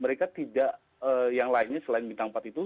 mereka tidak yang lainnya selain bintang empat itu